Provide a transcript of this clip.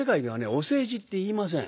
お世辞って言いません。